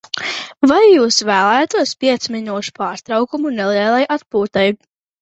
Vai jūs vēlētos piecu minūšu pārtraukumu nelielai atpūtai?